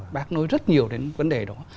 bác nói rất nhiều đến vấn đề đó